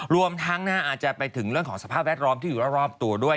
รวมทั้งอาจจะไปถึงเรื่องของสภาพแวดล้อมที่อยู่รอบตัวด้วย